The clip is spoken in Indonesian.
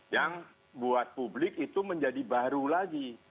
yang buat publik itu menjadi baru lagi